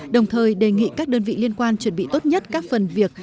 đồng thời đề nghị các đơn vị liên quan chuẩn bị tốt nhất các phần việc